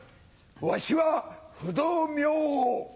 わしは不動明王！